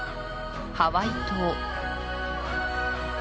ハワイ島